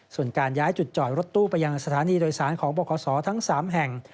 ส่วนการย้ายจุดจอดรถตู้ไปยังสถานีโดยสารของบคศทั้ง๓แห่ง